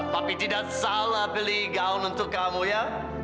tapi tidak salah beli gaun untuk kamu ya